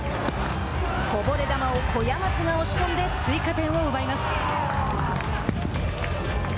こぼれ球を小屋松が押し込んで追加点を奪います。